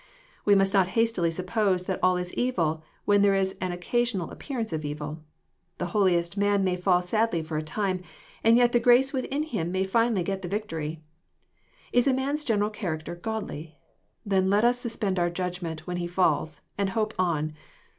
We must not hastily suppose that all is evil, where there is an occasional appearance of evil. The holiest man^n^y fall sadly for a time, and yet the grace within him may^finally get a victory. Is a man's general character godly? — Then let us suspend our judg ment when he falls, and hope on.